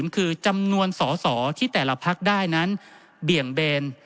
คือจำนวนสอสอที่แต่ละพักได้นั้นเบี่ยงเบน